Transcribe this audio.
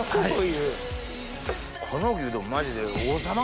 この牛丼マジで。